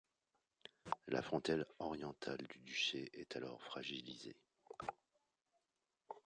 La frontière orientale du duché est alors fragilisée.